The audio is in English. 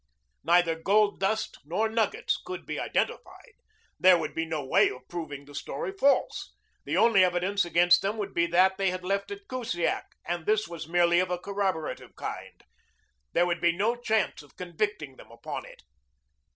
Neither gold dust nor nuggets could be identified. There would be no way of proving the story false. The only evidence against them would be that they had left at Kusiak and this was merely of a corroborative kind. There would be no chance of convicting them upon it.